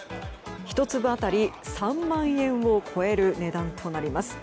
１粒当たり３万円を超える値段となります。